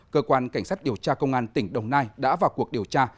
cơ quan cảnh sát điều tra công an tỉnh đồng nai đã vào cuộc điều tra